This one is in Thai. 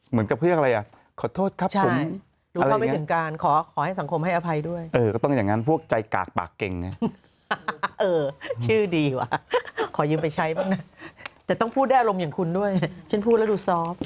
เอ้อโทษแล้วที่ชินชอบ